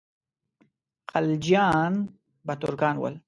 خلجیان به ترکان ول.